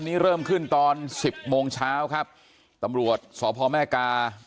นี่เตรียมกำลังเจ้าหน้าที่กันมาเนี่ย